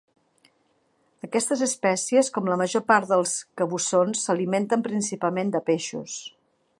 Aquestes espècies, com la major part dels cabussons s'alimenten principalment de peixos.